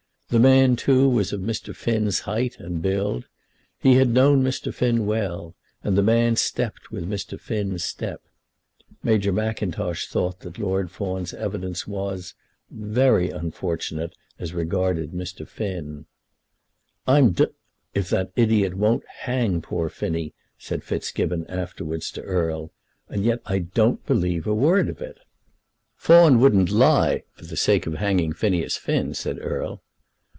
The man, too, was of Mr. Finn's height and build. He had known Mr. Finn well, and the man stepped with Mr. Finn's step. Major Mackintosh thought that Lord Fawn's evidence was "very unfortunate as regarded Mr. Finn." "I'm d if that idiot won't hang poor Phinny," said Fitzgibbon afterwards to Erle. "And yet I don't believe a word of it." "Fawn wouldn't lie for the sake of hanging Phineas Finn," said Erle.